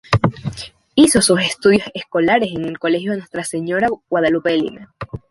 Hizo sus estudios escolares en el Colegio Nuestra Señora de Guadalupe de Lima.